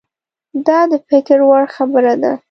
دا د فکر وړ خبره ده.